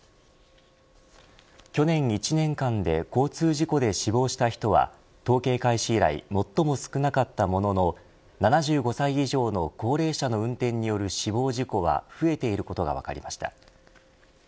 去年１年間で、交通事故で死亡した人は、統計開始以来最も少なかったものの７５歳以上の高齢者の運転による死亡事故は増えていることが分かりました。